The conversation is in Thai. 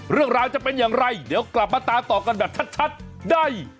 เรื่องราวจะเป็นอย่างไรเดี๋ยวกลับมาตามต่อกันแบบชัดได้